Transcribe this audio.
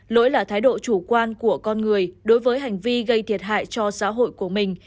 lỗi là thái độ chủ quan của con người đối với hành vi gây thiệt hại cho xã hội của mình